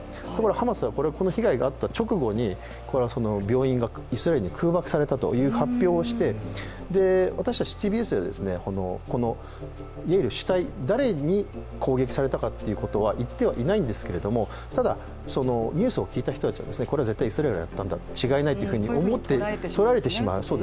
ハマスはこの被害があった直後に病院がイスラエルに空爆されたという発表をして私たち、ＴＢＳは主体、誰に攻撃されたかということは言ってはいないんですが、ただニュースを聞いた人たちはこれは絶対イスラエルがやったに違いないと捉えられてしまう。